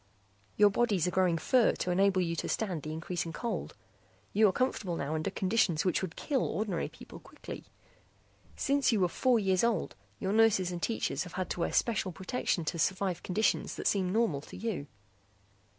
"Your bodies are growing fur to enable you to stand the increasing cold. You are comfortable now under conditions which would kill ordinary people quickly. Since you were four years old your nurses and teachers have had to wear special protection to survive conditions that seem normal to you.